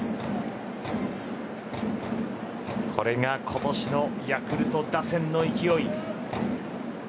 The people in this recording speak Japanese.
これが今年のヤクルト打線の勢い。